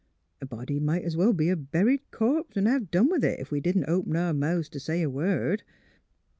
A body might 's well be a buried corp, an' done with it, ef we didn't open our mouths t' say a word."